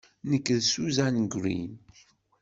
Nekk d Susan Greene.